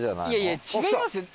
いやいや違います。